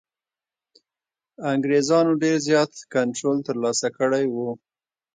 انګرېزانو ډېر زیات کنټرول ترلاسه کړی وو.